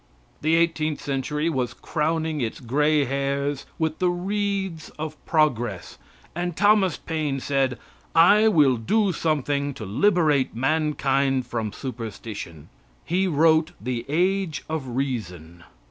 The eighteenth century was crowning its gray hairs with the wreaths of progress, and Thomas Paine said: "I will do something to liberate mankind from superstition." He wrote the "Age of Reason."